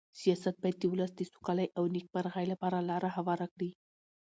سیاست باید د ولس د سوکالۍ او نېکمرغۍ لپاره لاره هواره کړي.